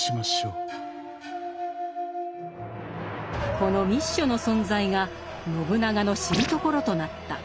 この密書の存在が信長の知るところとなった。